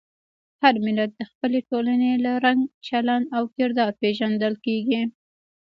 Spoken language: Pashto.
هر ملت د خپلې ټولنې له رنګ، چلند او کردار پېژندل کېږي.